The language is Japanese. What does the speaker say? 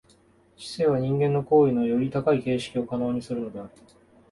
知性は人間の行為のより高い形式を可能にするのである。